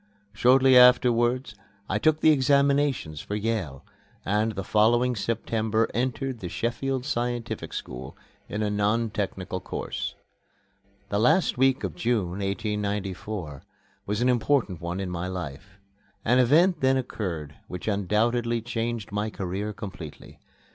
Shortly afterwards I took my examinations for Yale, and the following September entered the Sheffield Scientific School, in a non technical course. The last week of June, 1894, was an important one in my life. An event then occurred which undoubtedly changed my career completely.